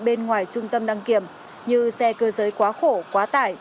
bên ngoài trung tâm đăng kiểm như xe cơ giới quá khổ quá tải